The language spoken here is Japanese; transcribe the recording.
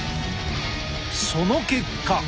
その結果。